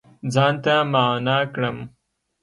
ځان ته معنا کړم